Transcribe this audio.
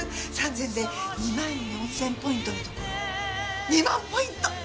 ３膳で２万４千ポイントのところを２万ポイント！